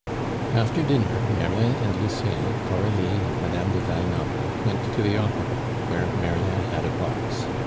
After dinner, Merlin and Lucien, Coralie and Mme. du Val Noble, went to the Opera, where Merlin had a box.